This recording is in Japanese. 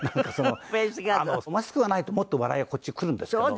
マスクがないともっと笑いがこっちへくるんですけど。